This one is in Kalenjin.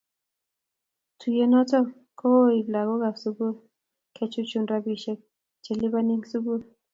Tuyet noto ko kibo lakok ab sukul ke chuchuch rabisiek che libani eng sukul